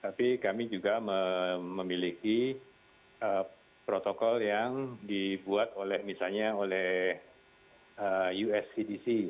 tapi kami juga memiliki protokol yang dibuat oleh misalnya oleh uscdc